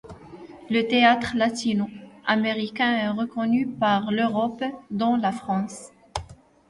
Le théâtre latino-américain est reconnu par l'Europe, dont la France.